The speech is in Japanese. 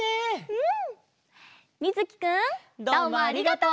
うん。